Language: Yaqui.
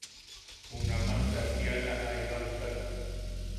Junaman bea kiala a ibaktak.